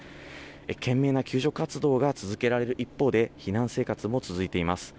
懸命な救助活動が続けられる一方で、避難生活も続いています。